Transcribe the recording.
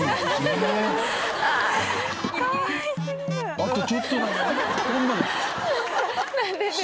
あとちょっとだよ